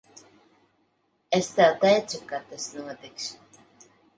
Es tev teicu, ka tas notiks.